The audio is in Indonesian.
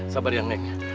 sabar ya neng